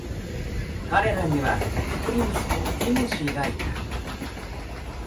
彼らには、ひとり息子、ティモシーがいた。